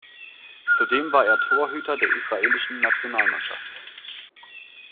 Zudem war er Torhüter der israelischen Nationalmannschaft.